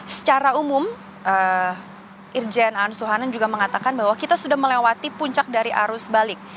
secara umum irjen an suhanan juga mengatakan bahwa kita sudah melewati puncak dari arus balik